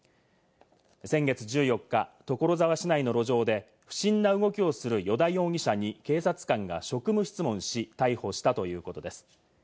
先月１４日、所沢市内の路上で不審な動きをする依田容疑者に警察官が職務質問し、逮捕したということです。